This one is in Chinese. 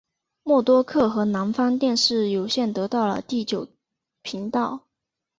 默多克和南方电视有线得到了第九频道。